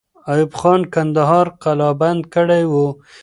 ایوب خان کندهار قلابند کړی وو.